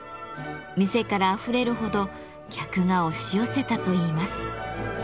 店からあふれるほど客が押し寄せたといいます。